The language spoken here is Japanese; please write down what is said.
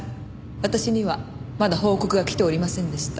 私にはまだ報告が来ておりませんでした。